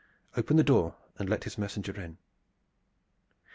Open the door and let his messenger in!"